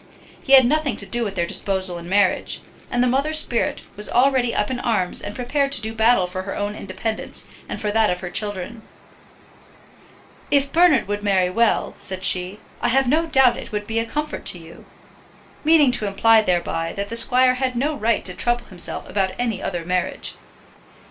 He had nothing to do with their disposal in marriage; and the mother's spirit was already up in arms and prepared to do battle for her own independence, and for that of her children. "If Bernard would marry well," said she, "I have no doubt it would be a comfort to you," meaning to imply thereby that the squire had no right to trouble himself about any other marriage.